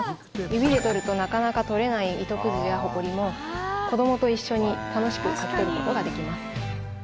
指で取るとなかなか取れない糸くずや、ほこりも子どもと一緒に楽しくかき取ることができます。